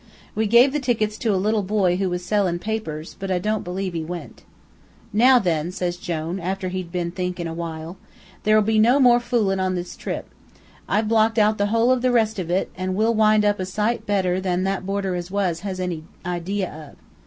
"We gave the tickets to a little boy who was sellin' papers, but I don't believe he went. "'Now then,' says Jone, after he'd been thinkin' awhile, 'there'll be no more foolin' on this trip. I've blocked out the whole of the rest of it, an' we'll wind up a sight better than that boarder as was has any idea of.